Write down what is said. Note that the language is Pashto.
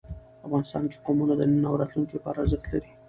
افغانستان کې قومونه د نن او راتلونکي لپاره ارزښت لري.